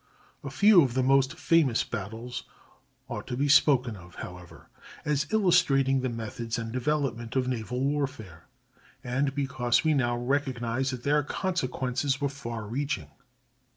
A few of the most famous battles ought to be spoken of, however, as illustrating the methods and development of naval warfare, and because we now recognize that their consequences were far reaching.